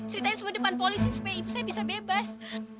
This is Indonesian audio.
ceritanya semua depan polisi supaya ibu saya bisa bebas